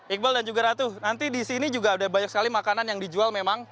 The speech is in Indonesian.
iqbal dan juga ratu nanti di sini juga ada banyak sekali makanan yang dijual memang